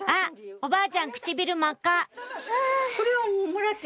おばあちゃん唇真っ赤」